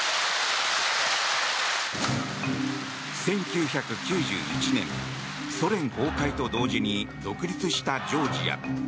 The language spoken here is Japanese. １９９１年ソ連崩壊と同時に独立したジョージア。